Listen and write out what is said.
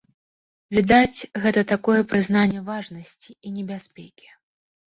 Відаць, гэта такое прызнанне важнасці і небяспекі.